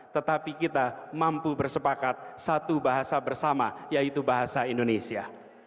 tetapi kita mampu bersepakat satu bahasa bersama yaitu bahasa indonesia